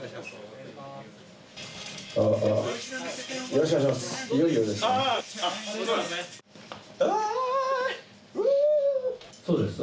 よろしくお願いします。